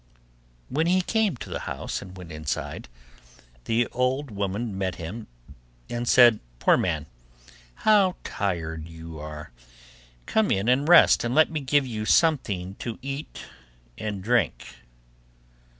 When he came to the house and went inside, the old woman met him, and said, 'Poor man! how tired you are! Come in and rest and let me give you something to eat and drink.